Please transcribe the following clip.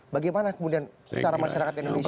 bagaimana kemudian secara masyarakat indonesia